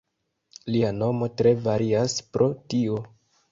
Lia nomo tre varias pro tio.